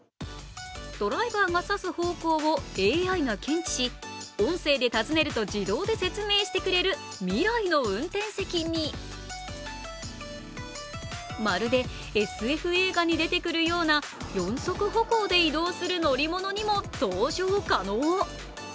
ドライバーが指す方向をＡＩが検知し、音声で尋ねると自動で説明してくれる未来の運転席にまるで、ＳＦ映画に出てくるような四足歩行で移動する乗り物にも搭乗可能。